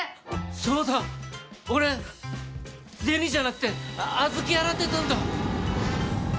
そうだ俺銭じゃなくて小豆洗ってたんだ！